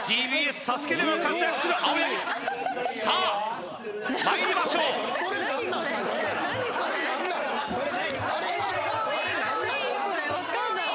ＴＢＳ「ＳＡＳＵＫＥ」でも活躍する青柳さあまいりましょうそれ何なん？